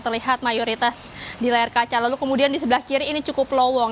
terlihat mayoritas di layar kaca lalu kemudian di sebelah kiri ini cukup lowong